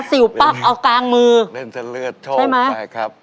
เศรีย์ปั๊กเอากลางมือเล่นจะเลือดโทกไปครับ